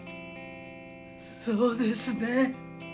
そうですね。